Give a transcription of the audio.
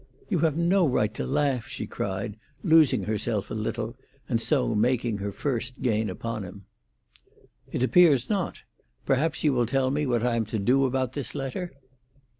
"You have no right to laugh!" she cried, losing herself a little, and so making her first gain upon him. "It appears not. Perhaps you will tell me what I am to do about this letter?"